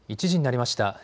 １時になりました。